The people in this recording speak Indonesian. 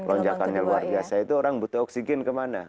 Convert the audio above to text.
lonjakan yang luar biasa itu orang butuh oksigen kemana